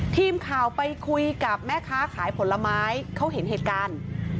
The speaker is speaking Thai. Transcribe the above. ทีมข่าวไปคุยกับแม่ค้าขายผลไม้เขาเห็นเหตุการณ์